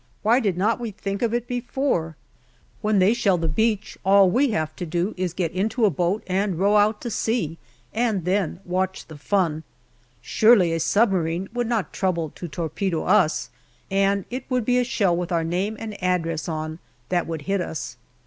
Why did not we think of it before ? When they shell the beach, all we have to do is to get into a boat and row out to sea, and then watch the fun. Surely a submarine would not trouble to torpedo us, and it would be a shell with our name and address on that would hit us.